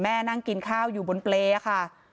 นั่งกินข้าวอยู่บนเปรย์ค่ะ